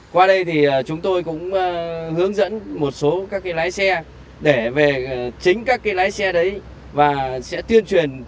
qua đây thì chúng tôi cũng hướng dẫn các cái đề can về phía sau đuôi xe để cho các cái phương tiện khác dễ nhận diện hơn khi đi trời tối và các cái thời tiết sương ngủ